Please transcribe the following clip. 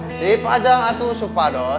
ini dipajang atuh supados